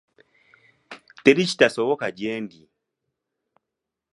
Teri kitasoboka gyendi.